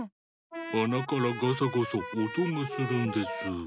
あなからガサゴソおとがするんです。